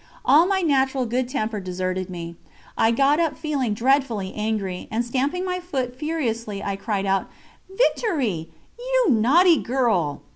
All my natural good temper deserted me. I got up feeling dreadfully angry, and, stamping my foot furiously, I cried out: "Victoire, you naughty girl!"